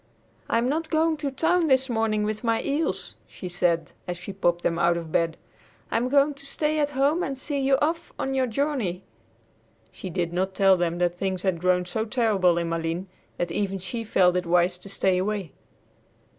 "I'm not going to town this morning with my eels," she said as she popped them out of bed. "I'm going to stay at home and see you off on your journey!" She did not tell them that things had grown so terrible in Malines that even she felt it wise to stay away.